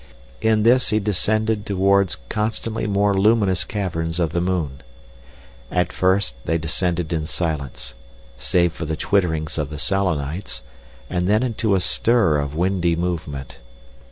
In this he descended towards constantly more luminous caverns of the moon. At first they descended in silence—save for the twitterings of the Selenites—and then into a stir of windy movement.